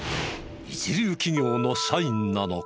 一流企業の社員なのか？